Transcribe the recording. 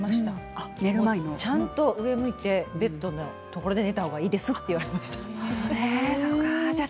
ちゃんと上を向いてベッドで寝た方がいいですと言われました。